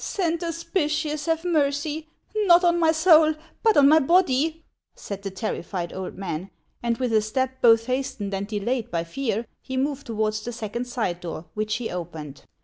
" Saint Hospitius have mercy, not on my soul, but on my body !" said the terrified old man ; and with a step both hastened and delayed by fear, he moved towards the second side door, which he opened.